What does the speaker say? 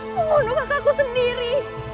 membunuh kakakku sendiri